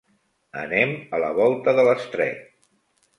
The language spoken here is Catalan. Anem a la volta de l'estret.